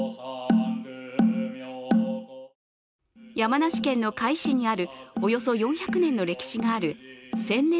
山梨県の甲斐市にあるおよそ４００年の歴史がある専念